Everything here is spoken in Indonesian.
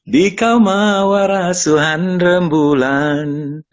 dikau mawarah suhan rembulan